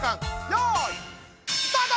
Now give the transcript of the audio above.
よいスタート！